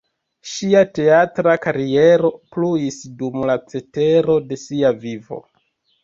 Ŝia teatra kariero pluis dum la cetero de sia vivo.